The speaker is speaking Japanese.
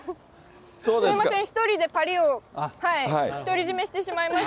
すみません、１人でぱりっを独り占めしてしまいました。